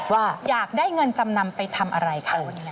ว่าอยากได้เงินจำนำไปทำอะไรก่อน